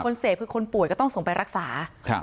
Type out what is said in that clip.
เสพคือคนป่วยก็ต้องส่งไปรักษา